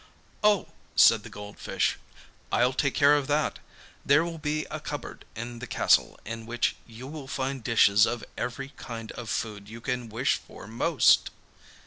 'Oh,' said the gold fish, 'I'll take care of that. There will be a cupboard in the castle, in which you will find dishes of every kind of food you can wish for most.